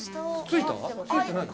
ついた？